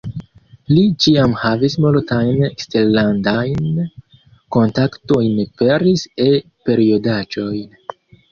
Li ĉiam havis multajn eksterlandajn kontaktojn, peris E-periodaĝojn.